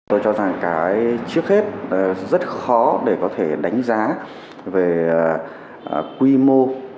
tôi cho rằng cái trước hết rất khó để có thể đánh giá về quy mô